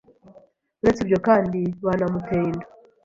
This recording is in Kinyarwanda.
Uretse ibyo kandi, banamuteye inda